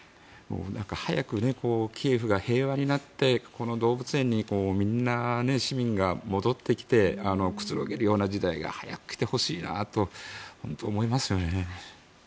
早くキーウが平和になってここの動物園にみんな市民が戻ってくつろげるような時代が早く来てほしいなと本当に思いますよね。